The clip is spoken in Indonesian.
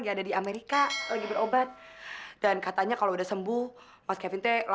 kita sih harus bicara